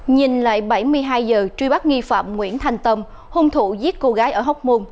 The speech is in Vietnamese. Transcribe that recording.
nhìn lại bảy mươi hai giờ truy bắt nghi phạm nguyễn thành tâm hung thủ giết cô gái ở hóc môn